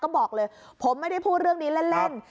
ก็บอกเลยผมไม่ได้พูดเรื่องนี้เล่น